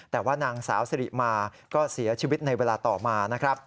แต่ว่านางสาวเสรีมาก็เสียชีวิตในเวลาต่อมา